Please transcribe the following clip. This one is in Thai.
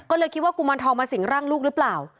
ก็เลยคิดว่ากุมารทองมาสิ่งร่างลูกหรือเปล่า